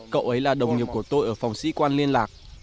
cậu ấy là đồng nghiệp của tôi ở phòng sĩ quan liên lạc